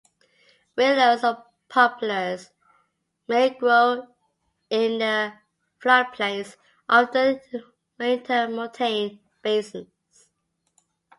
Willows and poplars may grow in the floodplains of the intermontane basins.